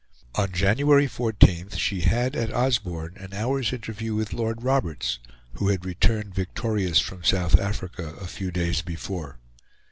On January 14, she had at Osborne an hour's interview with Lord Roberts, who had returned victorious from South Africa a few days before.